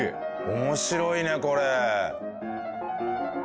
面白いねこれ！